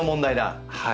はい。